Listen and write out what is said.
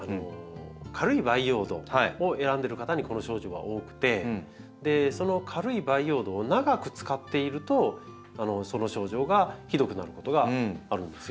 軽い培養土を選んでる方にこの症状は多くてその軽い培養土を長く使っているとその症状がひどくなることがあるんですよ。